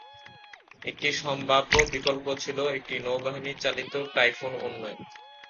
একটি সম্ভাব্য বিকল্প ছিল একটি নৌবাহিনী চালিত টাইফুন উন্নয়ন।